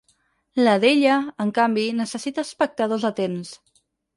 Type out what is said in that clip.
La d'ella, en canvi, necessita espectadors atents.